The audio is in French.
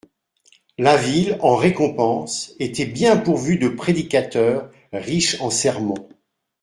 La ville, en récompense, était bien pourvue de prédicateurs, riche en sermons.